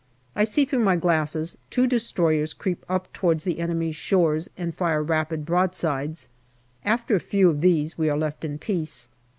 I see through my glasses two destroyers creep up towards the enemy's shores and fire rapid broadsides. After a few of these we are left in peace.